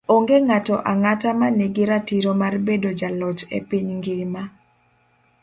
Onge ng'ato ang'ata ma nigi ratiro mar bedo jaloch e piny ngima.